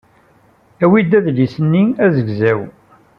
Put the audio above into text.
Awi-d adlis-nni azegzaw.